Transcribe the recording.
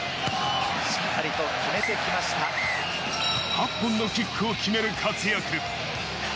８本のキックを決める活躍。